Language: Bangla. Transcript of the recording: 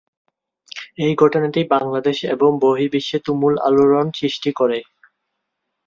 এই ঘটনাটি বাংলাদেশ এবং বহির্বিশ্বে তুমুল আলোড়ন সৃষ্টি করে।